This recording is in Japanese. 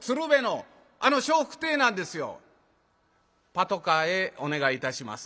「パトカーへお願いいたします」